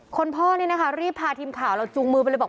พ่อนี่นะคะรีบพาทีมข่าวเราจูงมือไปเลยบอก